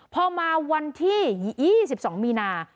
พอมาวันที่๒๒มีนา